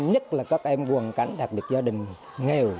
nhất là các em quần cảnh đặc biệt gia đình nghèo